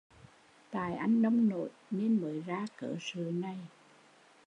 Tại anh nông nổi nên mới ra cớ sự này